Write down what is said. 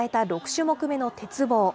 ６種目めの鉄棒。